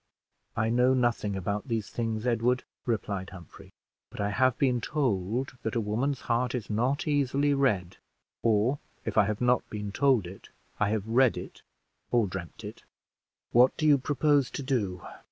"I know nothing about these things, Edward," replied Humphrey; "but I have been told that a woman's heart is not easily read; or if I have not been told it, I have read it or dreamed it." "What do you propose to do?"